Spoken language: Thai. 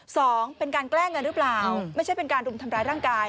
สองเป็นการแกล้งกันหรือเปล่าไม่ใช่เป็นการรุมทำร้ายร่างกาย